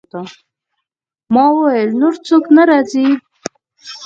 ما وویل: نور څوک نه راځي؟